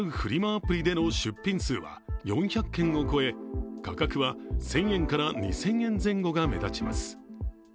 アプリでの出品数は４００件を超え、価格は１０００円から２０００円前後が目立ちます。